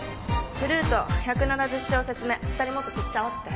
フルート１７０小節目二人もっとピッチ合わせて。